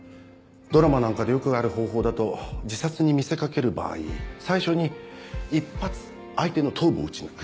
ドラマなんかでよくある方法だと自殺に見せ掛ける場合最初に１発相手の頭部を撃ち抜く。